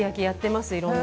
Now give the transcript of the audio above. やっています。